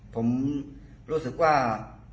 ผมรู้สึกว่า